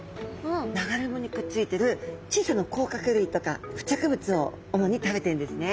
流れ藻にくっついてる小さな甲殻類とか付着物を主に食べてるんですね。